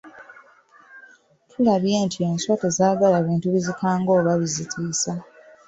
Tulabye nti enswa tezaagala bintu bizikanga oba bizitiisa.